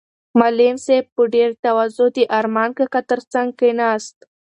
معلم صاحب په ډېرې تواضع د ارمان کاکا تر څنګ کېناست.